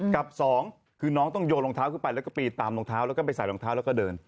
กับสองคือน้องต้องโยนรองเท้าขึ้นไปแล้วก็ปีนตามรองเท้าแล้วก็ไปใส่รองเท้าแล้วก็เดิน